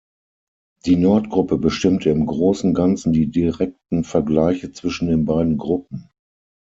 Die Nordgruppe bestimmte im großen Ganzen die direkten Vergleiche zwischen den beiden Gruppen.